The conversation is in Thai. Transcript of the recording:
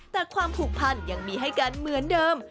แต่ความผูกพันยังมีให้กันเหมือนเดิม